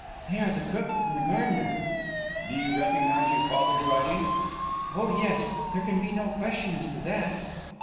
"They are the cook and the gardener." "Do you recognise your father's writing?" "Oh, yes; there can be no question as to that."